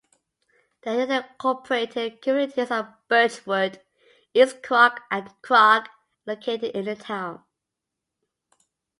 The unincorporated communities of Birchwood, East Krok, and Krok are located in the town.